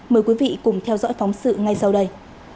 mời quý vị cùng theo dõi phóng sự ngay sau đây